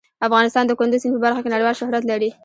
افغانستان د کندز سیند په برخه کې نړیوال شهرت لري.